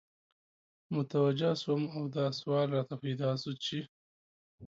متوجه سوم او دا سوال راته پیدا سو چی